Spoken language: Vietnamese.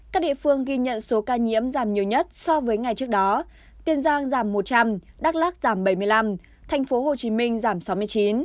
các địa phương ghi nhận số ca nhiễm giảm nhiều nhất so với ngày trước đó tiền giang giảm một trăm linh đắk lắc giảm bảy mươi năm tp hcm giảm sáu mươi chín